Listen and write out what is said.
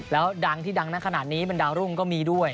แล้วดังที่ดังนั้นขนาดนี้บรรดารุ่งก็มีด้วย